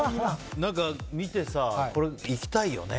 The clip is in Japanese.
見てさ、行きたいよね。